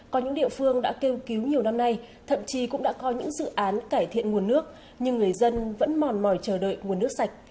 có những địa phương đã kêu cứu nhiều năm nay thậm chí cũng đã có những dự án cải thiện nguồn nước nhưng người dân vẫn mòn mỏi chờ đợi nguồn nước sạch